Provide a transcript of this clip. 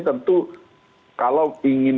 tentu kalau ingin